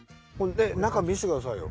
中見せてくださいよ。